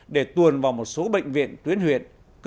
để tuồn vào một số bệnh viện tuyến huyện